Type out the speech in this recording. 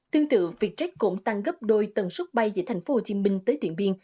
tương tự vietjet cũng tăng gấp đôi tầng suốt bay giữa thành phố hồ chí minh tới điện biên